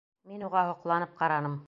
Мин уға һоҡланып ҡараным.